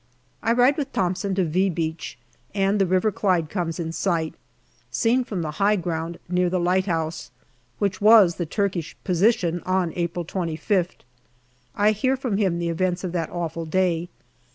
I ride with Thomson to " V " Beach and the River Clyde comes in sight, seen from the high ground near the lighthouse, which was the Turkish position on April 25th. I hear from him the events of that awful day.